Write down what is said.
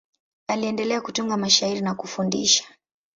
Aliendelea kutunga mashairi na kufundisha.